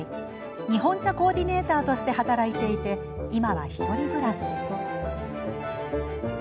日本茶コーディネーターとして働いていて、今は１人暮らしです。